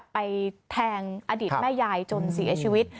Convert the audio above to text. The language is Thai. ไปแทงอดีตแม่ยายจนเสียชีวิต